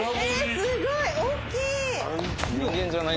すごいおっきい